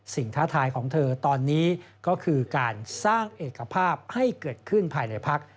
ท้าทายของเธอตอนนี้ก็คือการสร้างเอกภาพให้เกิดขึ้นภายในพัก